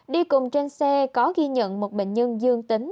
đi cùng trên xe có ghi nhận một bệnh nhân dương tính